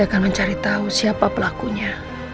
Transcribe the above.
akan mencari tahu siapa pelakunya